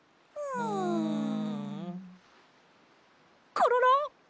コロロ！